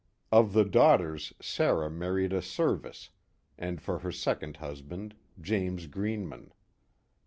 Of the daughters, Sarah, married a Serviss, and for her second husband, James Greenman.